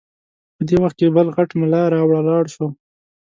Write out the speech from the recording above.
په دې وخت کې بل غټ ملا راولاړ شو.